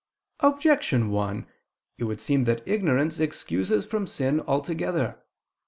Objection 1: It would seem that ignorance excuses from sin altogether.